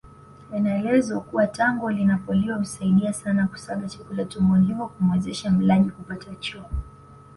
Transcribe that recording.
Inaelezwa kuwa tango linapoliwa husaidia sana kusaga chakula tumboni hivyo kumuwezesha mlaji kupata choo